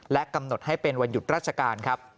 และกำหนดให้เป็นวันหยุดราชการครับ